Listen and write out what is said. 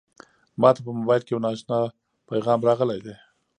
ما ته په موبایل کې یو نااشنا پیغام راغلی دی.